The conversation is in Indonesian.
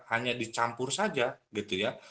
hanya dicampur saja gitu ya